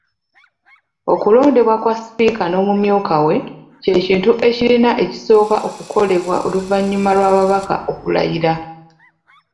Okulondebwa kwa Sipiika n'omumyuka we kye kintu ekirina ekisooka okukolebwa oluvannyuma lw'ababaka okulayira